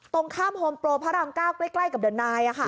ตรงข้ามฮอมโปรพระรามเกล้าใกล้กับเดินไนด์อะค่ะ